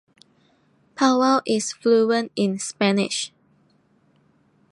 Powell is fluent in Spanish